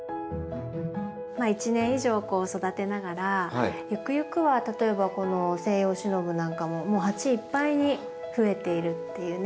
１年以上こう育てながらゆくゆくは例えばこのセイヨウシノブなんかももう鉢いっぱいに増えているっていうね